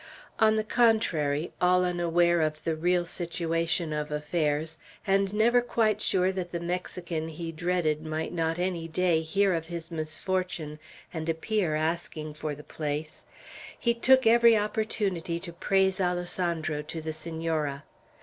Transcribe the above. On the contrary, all unaware of the real situation of affairs, and never quite sure that the Mexican he dreaded might not any day hear of his misfortune, and appear, asking for the place, he took every opportunity to praise Alessandro to the Senora.